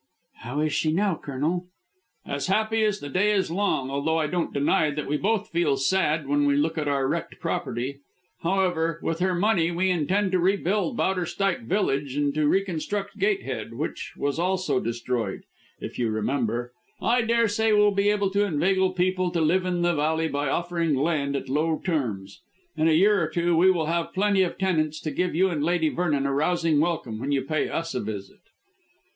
"How is she now, Colonel?" "As happy as the day is long, although I don't deny that we both feel sad when we look at our wrecked property. However, with her money we intend to rebuild Bowderstyke Village and to reconstruct Gatehead, which was also destroyed, if you remember. I daresay we'll be able to inveigle people to live in the valley by offering land at low terms. In a year or two we will have plenty of tenants to give you and Lady Vernon a rousing welcome when you pay us a visit."